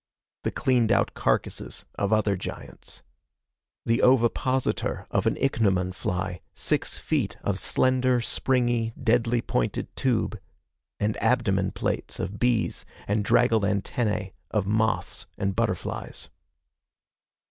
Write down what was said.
The cleaned out carcasses of other giants. The ovipositor of an ichneumon fly six feet of slender, springy, deadly pointed tube and abdomen plates of bees and draggled antennae of moths and butterflies.